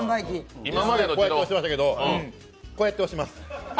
こうやって押してましたけどこうやって押します。